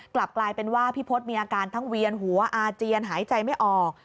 กลับกลายเป็นว่าพี่พศมีอาการทั้งเวียนหัวอาเจียนหายใจไม่ออก